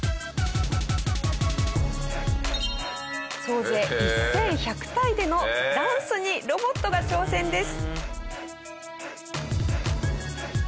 総勢１１００体でのダンスにロボットが挑戦です。